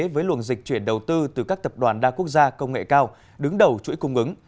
với luồng dịch chuyển đầu tư từ các tập đoàn đa quốc gia công nghệ cao đứng đầu chuỗi cung ứng